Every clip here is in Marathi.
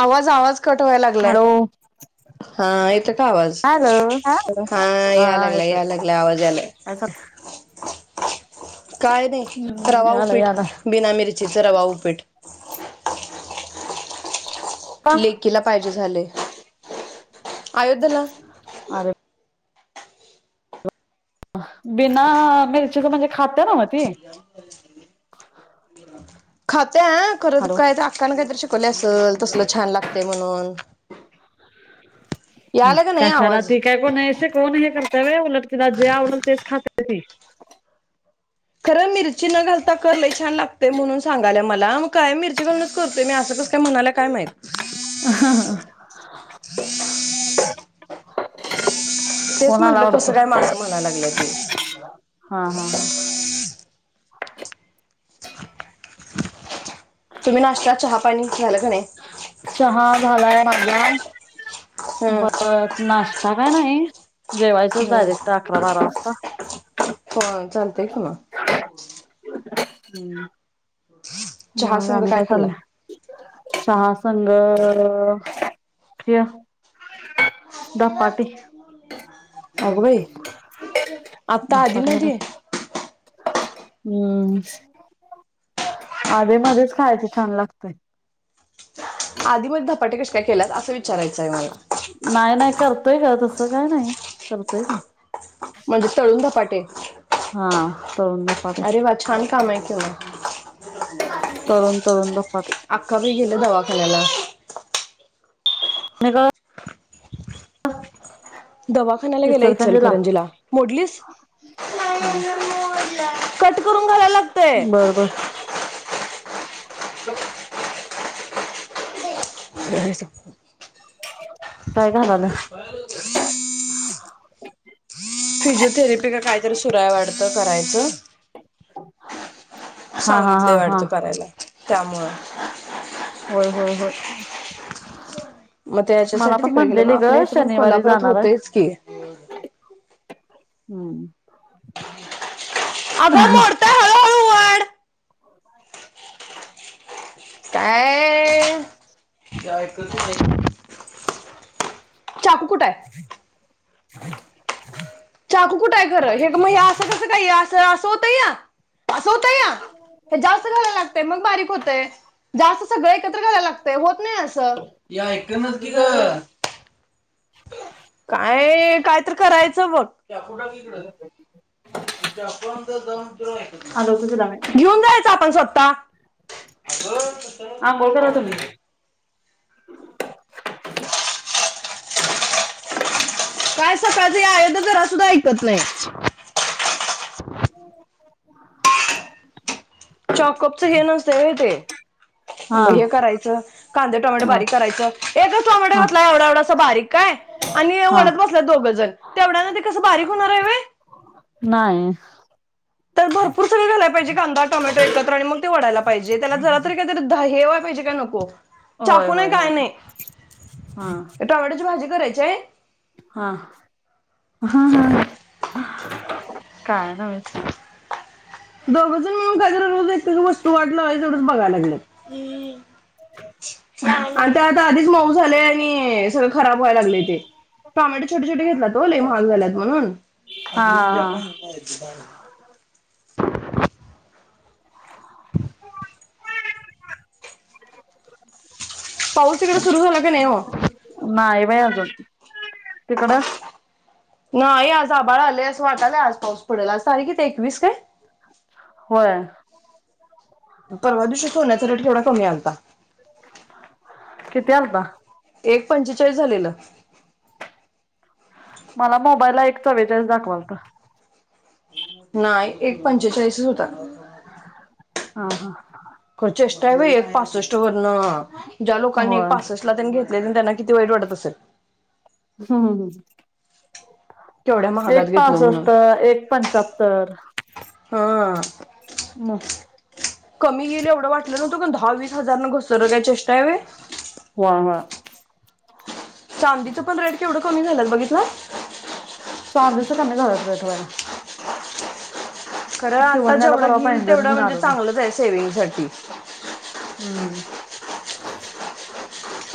आवाज, आवाज कट व्हायला लागलाय. हॅलो हा, येत का आवाज! हॅलो हा याय लागला याय लागला आवाज यायला. [unintelligible] काय नाही हम्म रवा याला उपीट, याला बिना मिरचीचं रवा उपीट का लेकीला पाहिजे झाले. अयोध्येला अरे बिना मिरची म्हणजे खात्या नवं ती? [unintelligible] खाते हं खरं हॅलो काय अक्कान काहीतरी शिकवले असल तसल छान लागतंय म्हणून. यायला का नाही कशाला आवाज? ती काय कोण हे शिकवून हे करतयं गं उलट तिला जे आवडेल तेच खातेय ती. खरं मिरची न घालता कर लय छान लागते म्हणून सांगायले मला मग काय मिरची घालूनच करतोय मी असं कस काय म्हणाल्या? काय माहीत? हा हा [inaudible] तेच म्हणलं कसं काय म असं म्हणायला लागल्या ती. हा हा. तुम्ही नाश्ता चहा पाणी झालं का नाही? चहा झालाय माझा हम्म ब नाश आता काय नाही जेवायचंच हम्म डायरेक्ट अकरा बारा वाजता. फोन चालतयं की मग. हम, चहा मग संघ आणि काय खाल्ला चाललंय? चहा संग हे धपाटे. अग बाई आत्ता आधी धपाटे मध्ये हम्म आधी मध्येच खायच छान लागतय. आधी मध्ये धपाटे कसे काय केलात असा विच नाही नाही करतोय ग तसं काय नाही करतोय की, म्हणजे तळून धपाटे? हा तळून ध अरे वा छान काम आहे की [unintelligible] तळुण तळुून धपाटे. अक्का बाई गेल्या दवाखान्याला. [unintelligible] दवाखान्याला गेल्या इचलकरंजीला. मोडलीस, कट करून घालायला लागतय. बर बर [unintelligible] काय घालाल्या? [unintelligible] फिजिओथेरपी का कायतरी सुरू आहे वाटतं करायचं हा हा सांगितलंय हा हा वाटतं करायला त्यामुळं, होय होय होय. मग मला त्याच्यासाठी पण तिकडे गेले मग म्हटलेली ग आपल्या इथं पण शनिवारी कोल्हापुरात जाणार आहे. होतयच की हम्म. आग मोड काय य.... काय ऐकतच नाही बग चाकु कुठ आहे? [unintelligible] चाकू कुठं आहे खरं हे मग हे असं कसं काही असं असं होतं य असं होतं य हे जास्त घालायला लागतय मग बारीक होतय जास्त सगळं एकत्र घालायला लागतय होत नाही असं ही एकाना की ग, [inaudible] काय काय तर करायचं बघ चाकू टाक हिकडं, आलो होतो तिला मी घेऊन जायचं आपण स्वतः, अगं तस का आंघोळ खाली करा तुम्ही पाडाल्यास काय सकाळच ही आयोध जरा सुद्धा ऐकत नाही. [unintelligible] चॉकअपच हे नसत व्हय ते हा म हे करायचं कांदे टोमॅटे हा बारीक करायचं एकच टोमॅटो हा घातला एवढा एवढासा बारीक काय आणि हा ओढत बसल्यात दोघं जण तेवढ्या न ते कसं बारीक होणार आहे होय. नाही. भरपर सगळे घाला पाहिेजे कांदा टोमेटो एकत्र आणि मग ते वाडायला पाहिेजे त्याला जरा तरी काय तर धा हे व्हायला पाहिजे काय नको होय चाकू नाही होय होय हा. टोमाट्याची भाजी करायची ये हा हा काय नाय माहीत दोघ जन मिळून काहितरी वस्तू वाटलात तेवढच बघायला लागलेत आता आता आधीच मऊ झाले आणि सगळ खराब व्हायला लागलय ते टोमॅटो छोटे छोटे घेतल्यात ओ लई महाग झाल्यात म्हणून हा हा [unintelligible] पाऊस तिकडे सुरु झाला की नाही हो नाई बाई अजून तिकड नाही आज आबाळ आलेय अस वाटयालाय आज पाऊस पडेल आज तारीख किती एकवीस काय होय परवा दिवशी सोन्याचा रेट केवढा कमी आलता किती आलता? एक पंचेचाळीस झालेल माला मोबाईलला एक चौरेचाळीस दाखवालत नाई एक पंचेचाळीसच होता. हा हा काय चेष्टा आहे बाई एक पासष्ट वरन ज्या लोकांनी एक होय पासष्ट -ला घेतलेल त्यांना किती वाईट वाटत असेल. हम् केवढ्या हम् महागात एक घेतलो म्हणून पासष्ट एक पंच्यात्तर हा म कमी येईल एवढ वाटल नव्हत पण दहा वीस हजार न घसरन काय चेष्टा हाय व्हय वा वा चांदीच पण रेट केवढ कमी झालत बघितल चांदिच कमी झालत दर बया खर आता शिवण्याला जेवढ परवा घेईल पैंजण तेवढ घेऊन म्हणजे आलो मी चांगलचय सेविंग साठी हम्म्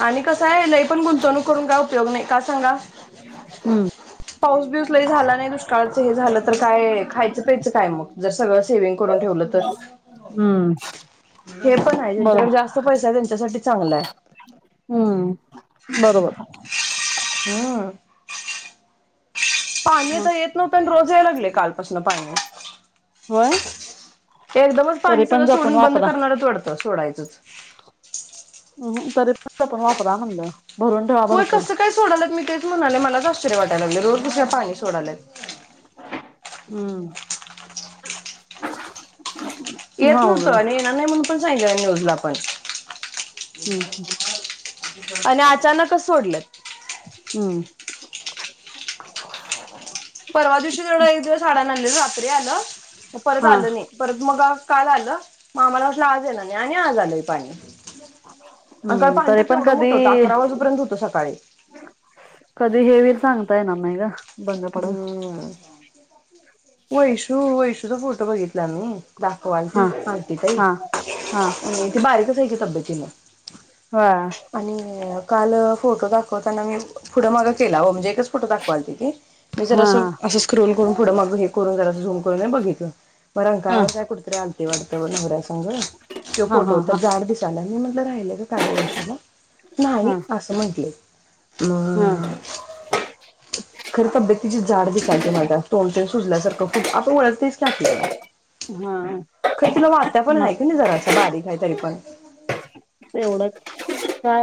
आणि कसाय लई पण गुंतवणूक करून काय उपयोग नई का सांगा? हम् पाऊस बिऊस लई झाला नाई दुष्काळाच सगळ झाल तर काय खायच प्यायच काय मग जर सगळ सेविंग करुन ठेवल तर हम्म हे पण णाय ह्यांच्याकड बरोबर जास्त् पैसा त्यांच्यासाठी चांगलाय हम्म बरोबर हम्म पाणी आत मग येत नव्हत अन् रोज याय लागलय कालपासन पाणी होय एकदमच तरी पाणी पण सगळ जपून सोडून बंद वापरा करणारेत वाटत सोडायचच अम् हम् परत जपुन वापरा म्हणल होय कस काय सोडायलात मी तेच म्हणाले मलाच आश्चर्य वाटाय लागलय रोज कस पाणी सोडायलेत हम्म येत हा नव्हत उघडा आणि येणार न्हाई म्हणून पण सांगितल न्यूजला पण हम् हम् आणि अचानकच सोडलत हम्म [inaudible] परवा दिवशी तेवढं एक दिवस आढळ रात्री आलं परत हा आलं नई. परत मगं काल आलं म आम्हाला वाटलं आज येणार नाई आणि आज आलंय पाणी. अं काय हम्म पाणी तरी पण केवढं कधी मोठ होतं अकरा वाजंपर्यंत होतं सकाळी. कधी हे व्हईल सांगता येनार नाय ग. बंद पडल हम्म. वैशू वैशूचा फोटो बघितलान मी दाखवालती हा मालती ताई. हा हा हम, ती बारीकच आय कि, तब्यतीनं. हा, आणि कालं फोटो दाखवताना मी पुढं माग केला हो म्हणजे एकच फोटो दाखवालते ती. ''मी जरा हा हा असं असं स्क्रोल करून पुढं मग हे करून जरासं झूम करून बघितलं. म हा रंकाळ्याला काय कुट तरी आलती वाटत व नवऱ्या संंग. त्यो हा फोटो हा त्यात हा जाड दिसाय लागली मी म्हटलं राहिलं का काय ओ वैशूला. नाही हा असं म्हंटली म खरं तब्बेत. तिची जाड दिसाल्ती माल त तोंड ती सुजल्यासारखं फुग आपण वळखतेच की, आपल्याला. हा हा, खरं तिला वाात्या पण हाय की, नाई जरासा बारीक हाय तरी पण एवढं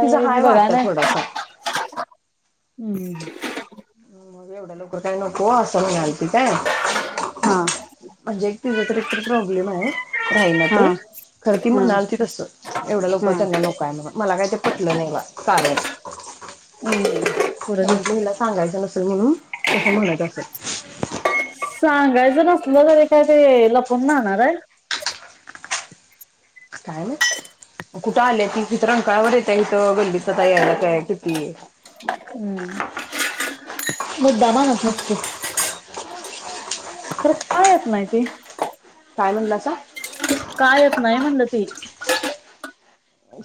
तिचा मी हाय बघाय वात्या नाही. थोडासा हम्म, मग एवढ्या लवकर काय नको असं म्हणाली ती काय? हा, म्हणजे एक तिझं तर एकत प्रॉब्लेम आहे. राहि ना हा ते खरं ती हा हा म्हणाली ते तसं एवढं लोक हम्म त्यांना नको. काय नो बाय मला काय ते पटलं नाही कारण पुर तेच [inaudible] सांगायचं नसेल म्हणून तसं म्हणत असत. सांगायचं नसलं तरी काय ते लपवून राहणार आहे. काय माहित मग कुठे आले ती इथं रंकाळ्या वर येत्या. त्या इथं गल्लीच आता यायला काय किती? हम्म, मुद्दा म्हणत नसतील. खरं का येत नाही ती. काय म्हणलासा? का येत नाही म्हणलं ती?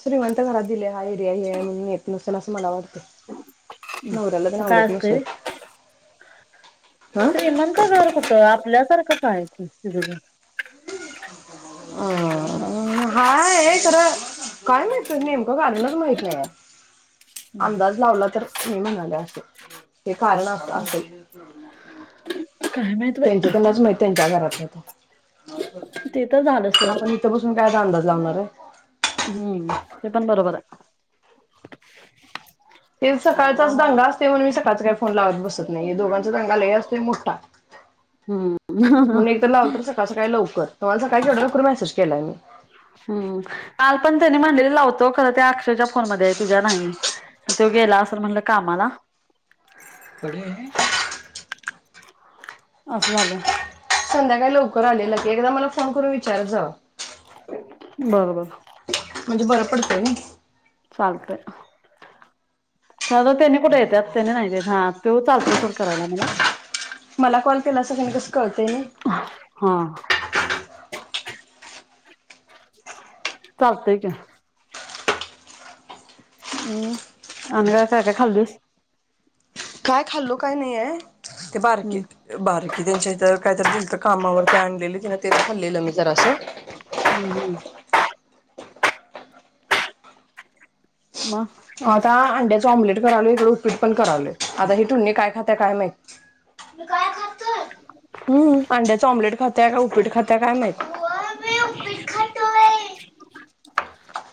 श्रीमंत घरा दिले हाय हा एरिया हे हाय म्हणून येत नसल असं मला वाटतं. नवऱ्याला तेन अस काय आवडत असत नसल होय हं श्रीमत. त घर कुठं आपल्यासारखंचय हाय की, तिचं घर. अ हा हाय खरं. काय माहित बाई नेमकं कारणच माहत नाही अंदाज लावला तर. ''मी म्हणाले असे हे कारण अस असेल. [inaudible] माहित त्यांच्या बाई त्यांनाला च माहिती त्यांच्या घरातलं ते तर झालं सोड आपण. इथे बसून काय आता अंदाज लावणार आहे. हम्म, ते पण बरोबर. ते सकाळचाच दांगा असते म्हण मी सकाळचा काय फोन लावत बसत नाही दोघांचा दांगा लय असतोय मोठा. [inaudible] म्हणून एक तर लाव तर सकाळ सकाळी लवकर तुम्हाला सकाळ केेवढ्या लवकर मेसेज केलाय मी'' हम्म, काल पण त्यानी म्हंडली लावतो खरं त्या अक्षयच्या फोनमध्ये हाय तुझ्या नाही. तो गेला असल म्हणलं कामाला. [unintelligible] असणार ना. संध्याकाळी लवकर आलेलं की एकदा मला फोन करून विचारत जावा. बर -बर. म्हणजे बरं पडतंय ना. चालतय..... खरं त्याने कुठे येत्यात आ.... त्यांने नाहीत येत. हा..... ते चालतय सोड. करायला मला. मला कॉल केला असं सगळ्यांना कसं कळतय नाही. हम्म...... चालतंय की. ह.... अणि काय - काय -काय खाल्लस. काय खाल्लो काय नाहीये. ते बारकि.... हम्म बारकीन त्यांच्या इथं काय तर दिलत कामावरती आणलेली तिंन तेच खाल्लेलं मी जरा स... हम्म.. म आता अंड्याच ऑम्लेट करायलुय इकडें उपीट पण करालोय आता ही ठोणी काय खात्या काय माहित. हम्म..... अंड्याच ऑम्लेट खात्या का उपीट खात्या काय माहित. मी उपीट खातोय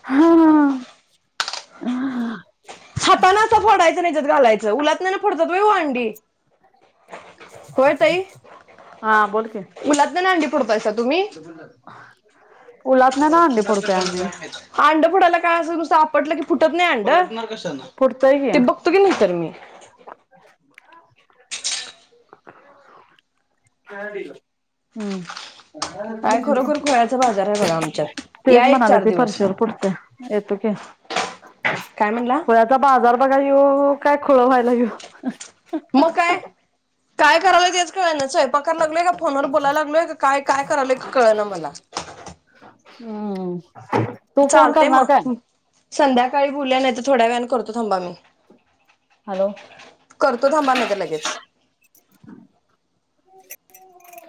हा....... हा.... [unintelligible] हातना असं फोडायचं अन ह्याच्यात असं घालायचं उलातन्यान फोडतात होय हो अंडी. होय ताई [unintelligible] हा.. बोल की. उलातण्यानं अंडी फोडतायसा तुम्ही उलातन्यान अंडी फुटणार फोडतोय कशाला आम्ही. काय माहित अंड फोडायला काय आणि नुसतं आपटल्याने फुटत नाही अंड. फुटतय की... तुम्ही विचारून या.... काय दिल.. हम्म.... काय खरोखर खोळ्याचा बाजार आहे बघा आमच्यात तेच या एक म्हणाले चार ते दिवस पावशर पुरतया.. येतो की.. काय म्हणला... खुळ्याचा बाजार बघा ह्यो- ह्यो काय खुळ व्हायलय. मग काय. काय करायलोय तेच कळना स्वयंपाक करायलोय का.... फोनवर बोलाय लागलोय की काय -काय कराय लागलोय कळना मला. हम्म... तू फोन चालते करणार काय. मग संध्याकाळी मुली आल्या कि थोड्या वेळने करतो थांबा म... हॅलो.. करतो थांबा नाही तर लगेच.